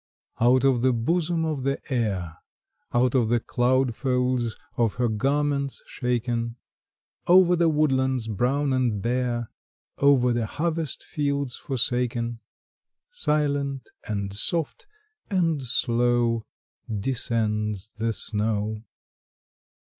Out of the bosom of the Air, Out of the cloud folds of her garments shaken, Over the woodlands brown and bare, Over the harvest fields forsaken, Silent, and soft, and slow Descends the snow.